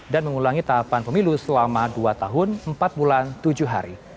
dan mengulangi tahapan pemilu selama dua tahun empat bulan tujuh hari